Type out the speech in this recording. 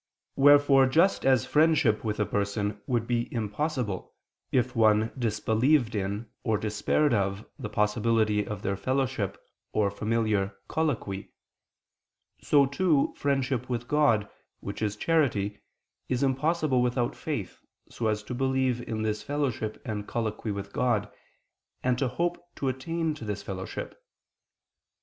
Wherefore just as friendship with a person would be impossible, if one disbelieved in, or despaired of, the possibility of their fellowship or familiar colloquy; so too, friendship with God, which is charity, is impossible without faith, so as to believe in this fellowship and colloquy with God, and to hope to attain to this fellowship.